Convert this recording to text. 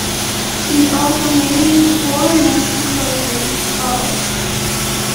In old Romanian "obor" meant "enclosure, corral".